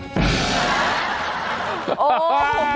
โอ้โห